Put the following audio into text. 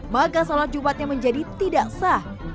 maka sholat jumatnya menjadi tidak sah